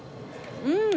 うん。